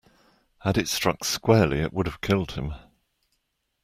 Had it struck squarely it would have killed him.